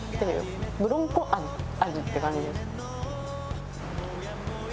ブロンコ味って感じです。